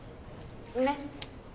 ねっ。